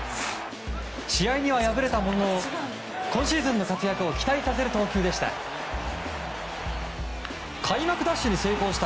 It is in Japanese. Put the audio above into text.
試合には敗れたものの今シーズンの活躍を期待させる投球でした。